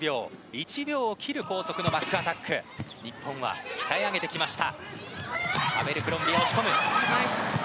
１秒を切る高速バックアタックを日本は鍛え上げてきました。